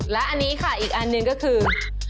และอันนี้ค่ะอีกอันหนึ่งก็คือ